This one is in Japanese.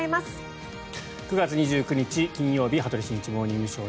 ９月２９日、金曜日「羽鳥慎一モーニングショー」。